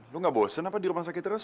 lo nggak bosen apa di rumah sakit terus